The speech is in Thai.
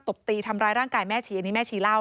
ตบตีทำร้ายร่างกายแม่ชีอันนี้แม่ชีเล่า